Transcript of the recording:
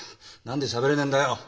何でしゃべれないんだよ。